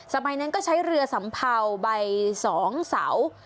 สมัยนั้นก็ใช้เรือสัมเภาใบ๒เสา